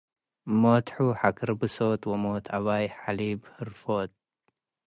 ሞት ሑ ሐክር ብሶት ወሞት አባይ ሐሊብ ህርፎት።